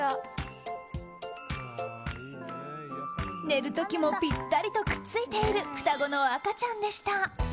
寝る時もぴったりとくっついている双子の赤ちゃんでした。